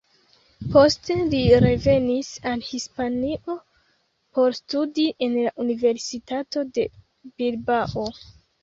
Poste, li revenis al Hispanio por studi en la universitato de Bilbao.